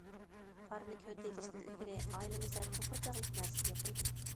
پارنىك ھۆددە ئېلىشتىن ئىلگىرى ئائىلىمىزدە توخۇ چاغلىق نەرسە يوق ئىدى.